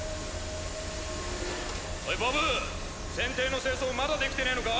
おいボブ船底の清掃まだできてねぇのか？